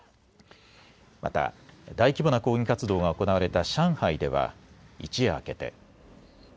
また大規模な抗議活動が行われた上海では一夜明けて。